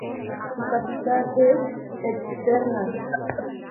Su capital es Echternach.